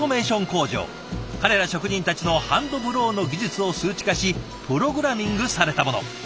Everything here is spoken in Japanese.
工場彼ら職人たちのハンドブローの技術を数値化しプログラミングされたもの。